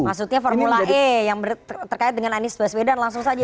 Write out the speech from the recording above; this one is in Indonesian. maksudnya formula e yang terkait dengan anies baswedan langsung saja